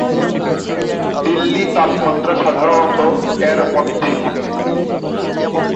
দিল্লি তাপমাত্রা সাধারণত -এর মধ্যে থাকে।